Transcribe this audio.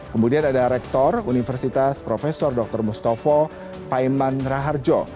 kemudian ada rektor universitas prof dr mustafa paiman raharjo